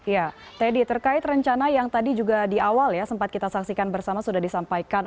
ya teddy terkait rencana yang tadi juga di awal ya sempat kita saksikan bersama sudah disampaikan